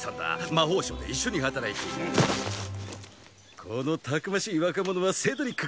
魔法省で一緒に働いているこのたくましい若者はセドリックかな？